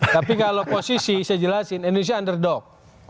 tapi kalau posisi saya jelasin indonesia underdog